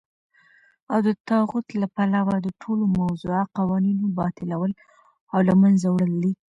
او دطاغوت له پلوه دټولو موضوعه قوانينو باطلول او له منځه وړل دي .